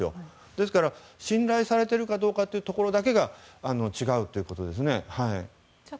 ですから、信頼されているかどうかというところだけが違うってことですね。